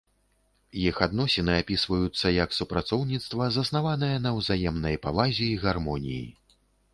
Іх адносіны апісваюцца як супрацоўніцтва, заснаванае на ўзаемнай павазе і гармоніі.